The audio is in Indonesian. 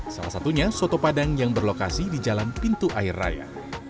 salah satunya soto padang yang berlokasi di jalan pintu air raya